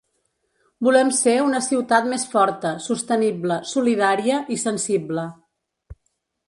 Volem ser una ciutat més forta, sostenible, solidària i sensible.